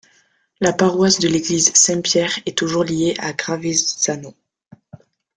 La paroisse de l'église Saint-Pierre est toujours liée à Gravesano.